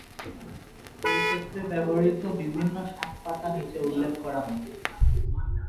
এই ক্ষেত্রে ব্যবহৃত বিভিন্ন শাক-পাতা নিচে উল্লেখ করা হল।